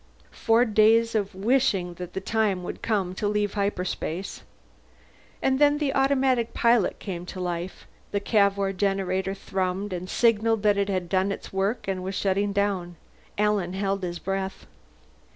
Four days of wishing that the time would come to leave hyperspace. And then the automatic pilot came to life; the Cavour generator thrummed and signalled that it had done its work and was shutting down. Alan held his breath.